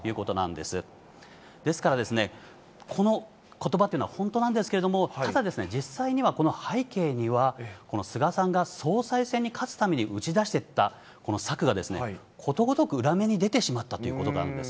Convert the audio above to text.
ですから、このことばというのは本当なんですけども、ただですね、実際にはこの背景には、この菅さんが総裁選に勝つために打ち出していった策が、ことごとく裏目に出てしまったということがあるんです。